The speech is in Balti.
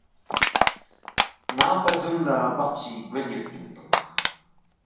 نانگ پہ دون لا بقچی گوین یود پن ننگ۔